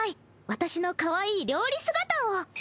私のかわいい料理姿を。